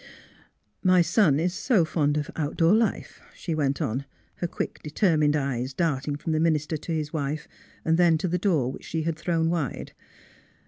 *' My son is so fond of outdoor life," she went on, her quick, determined eyes darting from the minister to his wife, then to the door which she had thrown wide.